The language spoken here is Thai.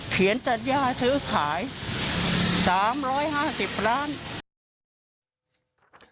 เขียนรรยาที่ซื้อขาย๓๕๐ร้านบาท